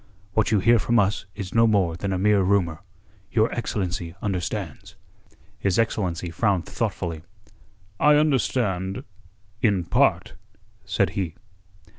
What you hear from us is no more than a mere rumour. Your excellency understands." His excellency frowned thoughtfully. "I understand... in part," said he.